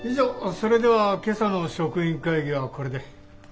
それでは今朝の職員会議はこれで。